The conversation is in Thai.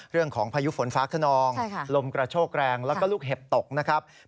เรื่องของพายุฝนฟ้าขนองลมกระโชกแรงและลูกเห็บตกนะครับใช่ค่ะ